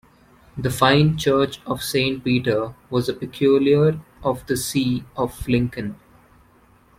The fine church of Saint Peter was a Peculiar of the see of Lincoln.